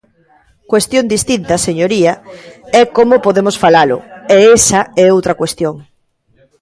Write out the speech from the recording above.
Cuestión distinta, señoría, é como podemos falalo, e esa é outra cuestión.